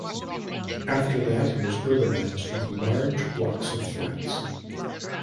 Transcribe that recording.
After that it was urbanized with large blocks of flats.